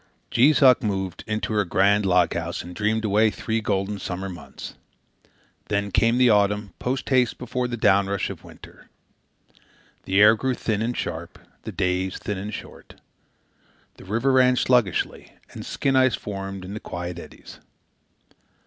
Jees Uck moved into her grand log house and dreamed away three golden summer months. Then came the autumn, post haste before the down rush of winter. The air grew thin and sharp, the days thin and short. The river ran sluggishly, and skin ice formed in the quiet eddies.